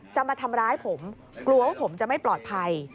จะมาทำร้ายผมกลัวว่าผมจะไม่ปลอดภัย